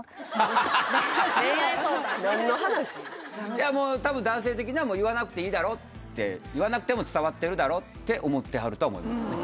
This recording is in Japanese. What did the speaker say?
いやもう多分男性的にはもう言わなくていいだろって言わなくても伝わってるだろって思ってはるとは思いますね